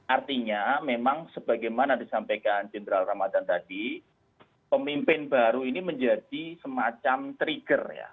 artinya memang sebagaimana disampaikan jenderal ramadhan tadi pemimpin baru ini menjadi semacam trigger ya